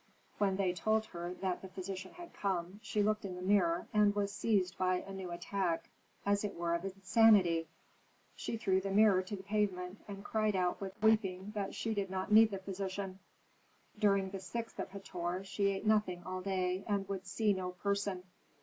When they told her that the physician had come, she looked at the mirror, and was seized by a new attack, as it were of insanity. She threw the mirror to the pavement, and cried out with weeping that she did not need the physician. During the sixth of Hator she ate nothing all day and would see no person.